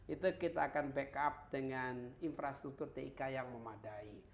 itu kita akan backup dengan infrastruktur tik yang memadai